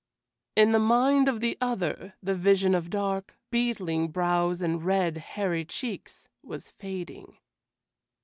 In the mind of the other the vision of dark, beetling brows and red, hairy cheeks was fading.